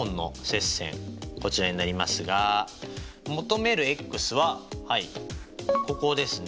こちらになりますが求めるｘはここですね。